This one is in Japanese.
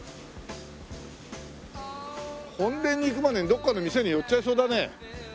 本殿に行くまでにどっかの店に寄っちゃいそうだね。